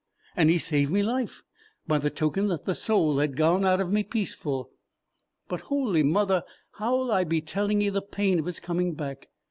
And he saved me life, by the token that the soul had gone out of me peaceful; but, Holy Mother, how'll I be telling ye the pain of its coming back!